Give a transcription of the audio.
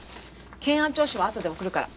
検案調書はあとで送るから。